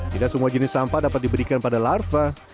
tidak semua jenis sampah dapat diberikan pada larva